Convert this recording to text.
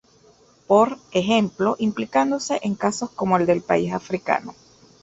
Por ejemplo implicándose en casos como el del país africano.